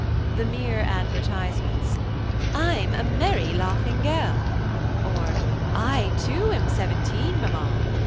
The mere advertisements–"I'm a merry laughing girl," or "I too, am seventeen, Mamma!"